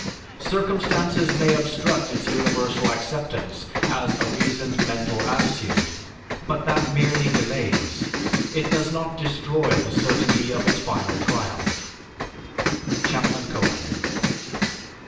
Circumstances may obstruct its universal acceptance as a reasoned mental attitude, but that merely delays, it does not destroy the certainty of its final triumph." (_C. Cohen.